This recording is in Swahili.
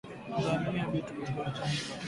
Tanzania bitu biko bei chini kupita kongo